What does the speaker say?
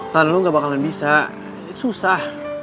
lalu lo gak bakalan bisa susah